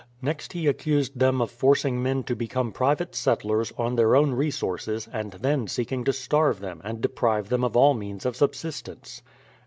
Next he accused them of forcing men to become private settlers, on their own resources, and then seeking to starve them, and deprive them of all means of subsistence.